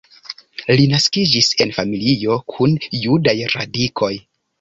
Li naskiĝis en familio kun judaj radikoj.